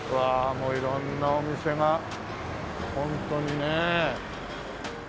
もう色んなお店がホントにねありますわね。